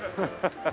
ハハハ。